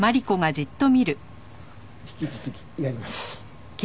引き続きやります。